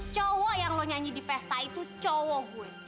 cowok yang lo nyanyi di pesta itu cowok gue